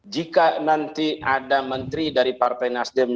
jika nanti ada menteri dari partai nasdem yang berpikir